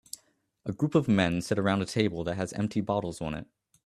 A group of men sit around a table that has empty bottles on it